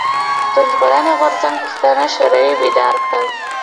پښتون ژغورني غورځنګ پښتانه شعوري بيدار کړل.